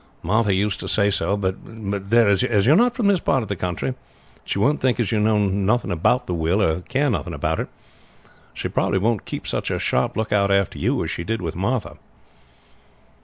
Martha used to say so, But there as you are not from this part of the country, and she won't think as you know nothing about the will or care nothing about it, she won't keep such a sharp lookout after you as she did with Martha."